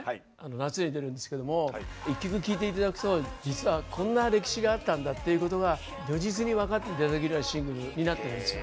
夏に出るんですけども一曲聴いて頂くと実はこんな歴史があったんだっていうことが如実に分かって頂けるようなシングルになってるんですよ。